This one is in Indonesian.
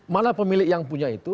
malah pemilik yang punya itu